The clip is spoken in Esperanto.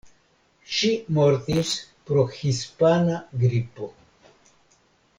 Ŝi mortis pro hispana gripo.